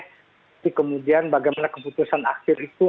tapi kemudian bagaimana keputusan akhir itu